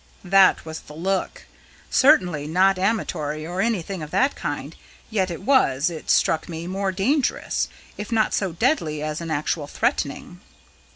"That was the look. Certainly not amatory or anything of that kind yet it was, it struck me, more dangerous, if not so deadly as an actual threatening."